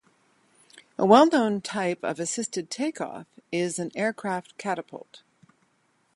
A well-known type of assisted takeoff is an aircraft catapult.